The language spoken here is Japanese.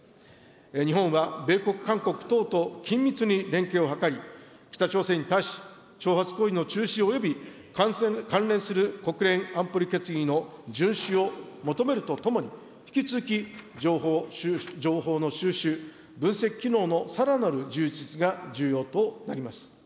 日本は米国、韓国等と緊密に連携を図り、北朝鮮に対し、挑発行為の中止、および関連する国連安保理決議の順守を求めるとともに、引き続き情報の収集、分析機能のさらなる充実が重要となります。